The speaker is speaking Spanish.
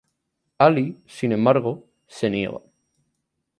Ally sin embargo, se niega.